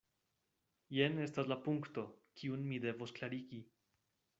Jen estas la punkto, kiun mi devos klarigi.